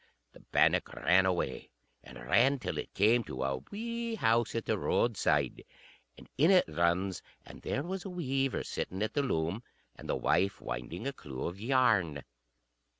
The bannock ran away, and ran till it came to a wee house at the roadside; and in it runs and there was a weaver sitting at the loom, and the wife winding a clue of yarn.